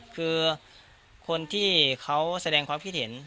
คือคนที่เขาแสดงความคิดเห็น